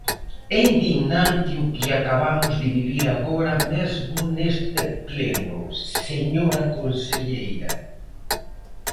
¡É indignante o que acabamos de vivir agora mesmo neste pleno, señora conselleira!